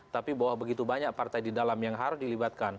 tapi bahwa begitu banyak partai di dalam yang harus dilibatkan